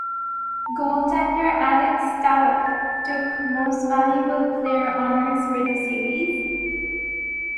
Goaltender Alex Stalock took most valuable player honors for the series.